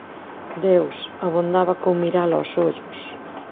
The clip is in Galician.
Deus, abondaba con mirala ós ollos...